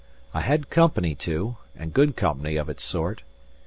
I had company, too, and good company of its sort.